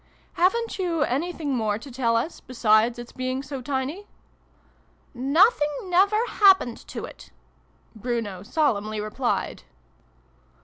" Haven't you anything more to tell us, besides its being so tiny ?"" Nothing never happened to it," Bruno solemnly replied.